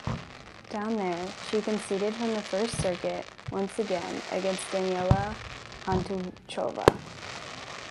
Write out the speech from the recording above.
Down there, she conceded from the first circuit once again against Daniela Hantuchová.